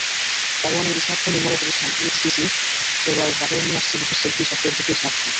তাইওয়ানের স্মার্টফোন নির্মাতাপ্রতিষ্ঠান এইচটিসি এবার বাজারে নিয়ে আসছে বিশেষ সেলফি সফটওয়্যারযুক্ত স্মার্টফোন।